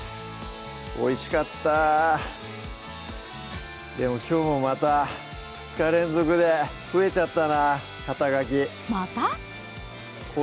おいしかったでもきょうもまた２日連続で増えちゃったな肩書また？